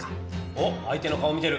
おっ相手の顔見てる！